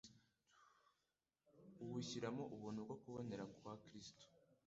Uwushyiramo ubuntu bwo kubonera kwa Kristo.